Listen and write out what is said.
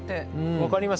分かります？